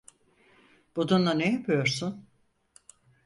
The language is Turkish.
Bununla ne yapıyorsun?